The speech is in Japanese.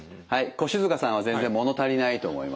越塚さんは全然物足りないと思いますので。